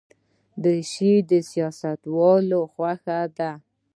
دریشي د سیاستوالو خوښه ده.